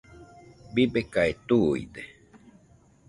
Bibekae tuide.